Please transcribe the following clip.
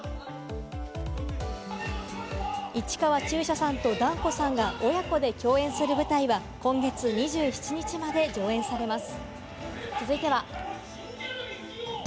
市川中車さんと團子さんが親子で共演する舞台は、今月２７日まで上演されます。